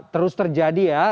terus terjadi ya